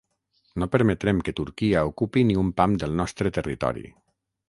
No permetrem que Turquia ocupi ni un pam del nostre territori.